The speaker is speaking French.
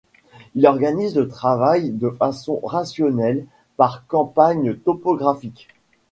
Il organise le travail de façon rationnelle par campagne topographique.